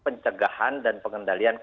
penjagaan dan penyelenggaraan